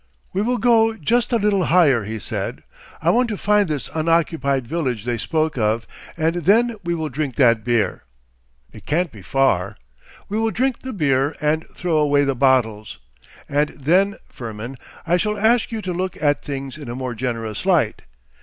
'We will go just a little higher,' he said. 'I want to find this unoccupied village they spoke of, and then we will drink that beer. It can't be far. We will drink the beer and throw away the bottles. And then, Firmin, I shall ask you to look at things in a more generous light....